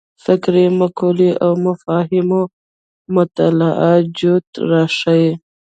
فکري مقولو او مفاهیمو مطالعه جوته راښيي.